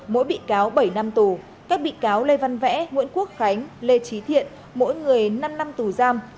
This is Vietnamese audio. mỗi bị cáo bảy năm tù các bị cáo lê văn vẽ nguyễn quốc khánh lê trí thiện mỗi người năm năm tù giam